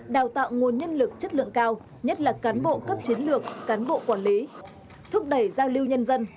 đào tạo nguồn nhân lực chất lượng cao nhất là cán bộ cấp chiến lược cán bộ quản lý thúc đẩy giao lưu nhân dân